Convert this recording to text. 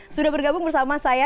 sudah bergabung bersama saya